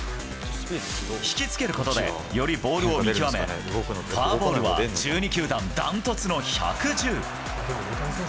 引きつけることで、よりボールを見極め、フォアボールは１２球団断トツの１１０。